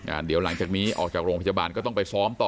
เดี๋ยวหลังจากนี้ออกจากโรงพยาบาลก็ต้องไปซ้อมต่อ